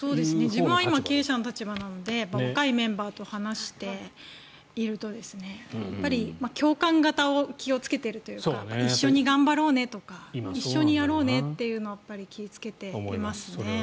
自分は今、経営者の立場なので若いメンバーと話していると共感型を気をつけているというか一緒に頑張ろうねとか一緒にやろうねというのを気をつけていますね。